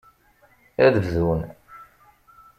Ad bdun.